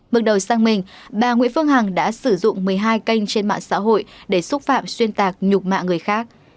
bước đầu sang mình bà nguyễn phương hằng đã sử dụng một mươi hai kênh trên mạng xã hội để xúc phạm xuyên tạc nhục mạ người khác